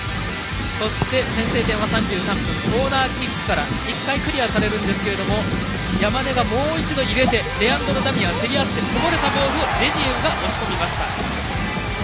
先制点が３３分コーナーキックから１回クリアされるんですが山根がもう一度入れてレアンドロ・ダミアン競り合ってこぼれたボールをジェジエウが押し込みました。